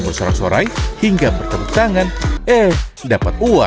bersorak sorai hingga menjaga kemampuan mereka untuk menjaga kemampuan mereka untuk menjaga kemampuan